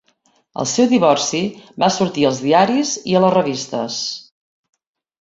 El seu divorci va sortir als diaris i a les revistes.